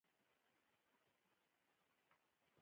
د تاریخ ډېر توکي همدلته پراته دي.